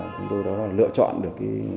chúng tôi đã lựa chọn được